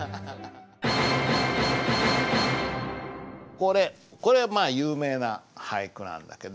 これこれはまあ有名な俳句なんだけど。